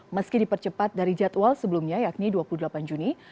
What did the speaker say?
meski dipercepat dari jadwal sebelumnya yakni dua puluh delapan juni